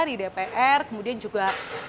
di dpr kemudian juga